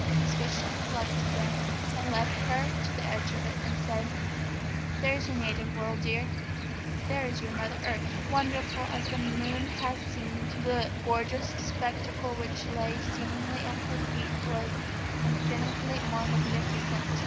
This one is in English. He switched off the lights again and led her to the edge of it, and said: "There is your native world, dear. That is your Mother Earth." Wonderful as the moon had seemed, the gorgeous spectacle which lay seemingly at her feet was infinitely more magnificent.